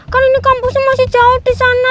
kan ini kampusnya masih jauh disana